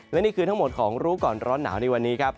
และนี่คือทั้งหมดของรู้ก่อนร้อนหนาวในวันนี้ครับ